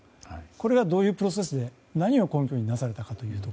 これがどういうプロセスで何を根拠になされたか。